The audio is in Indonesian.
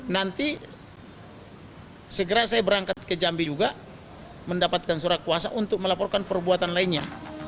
nanti segera saya berangkat ke jambi juga mendapatkan surat kuasa untuk melaporkan perbuatan lainnya